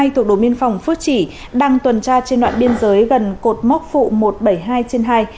thuộc đồn biên phòng phước chỉ đang tuần tra trên đoạn biên giới gần cột mốc phụ một trăm bảy mươi hai trên hai